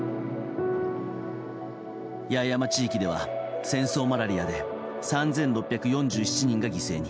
八重山地域では戦争マラリアで３６４７人が犠牲に。